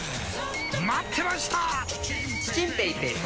待ってました！